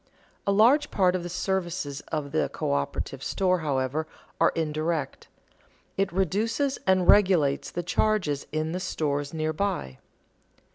A large part of the services of the coöperative store, however, are indirect; it reduces and regulates the charges in the stores near by.